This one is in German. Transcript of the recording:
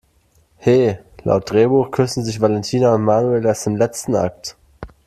He, laut Drehbuch küssen sich Valentina und Manuel erst im letzten Akt!